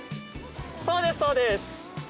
そうですそうです。